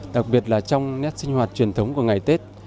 đặc biệt là trong nét sinh hoạt truyền thống của ngày tết